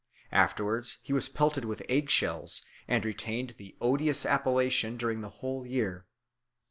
Afterwards, he was pelted with egg shells, and retained the odious appellation during the whole year.